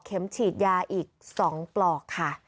เข็มฉีดยาอีก๒ปลอก